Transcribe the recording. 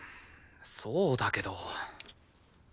そうだけど。